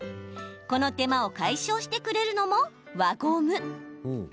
この手間を解消してくれるのも輪ゴム！